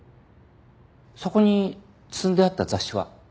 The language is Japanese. そこに積んであった雑誌は？